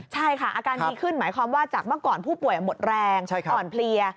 ใช่ค่ะอาการดีขึ้นหมายความว่าจากเมื่อก่อนผู้ป่วยหมดแรงอ่อนเพลีย